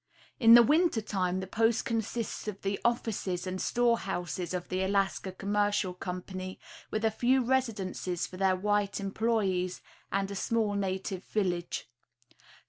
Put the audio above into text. In the winter time the post consists of the offices and store houses of the Alaska Commercial Company, with a few residences for their white employees, and a small native village.